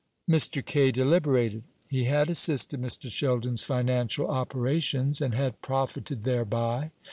Mr. Kaye deliberated. He had assisted Mr. Sheldon's financial operations, and had profited thereby.